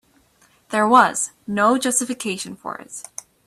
There was no justification for it.